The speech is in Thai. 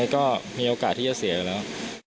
ก็มีโอกาสที่จะเสียแล้ว